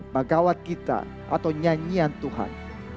cerita atau nyanyian tuhan